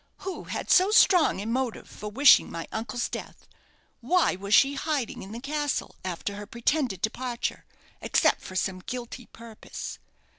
Who had so strong a motive for wishing my uncle's death? Why was she hiding in the castle after her pretended departure, except for some guilty purpose?